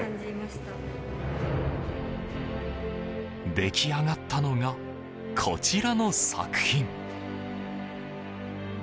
出来上がったのがこちらの作品。